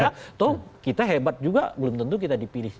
atau kita hebat juga belum tentu kita dipilih